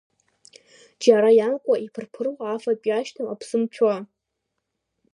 Џьара иамкуа, иԥыр-ԥыруа, афатә иашьҭам аԥсы мҭәуа.